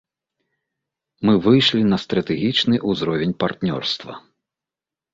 Мы выйшлі на стратэгічны ўзровень партнёрства.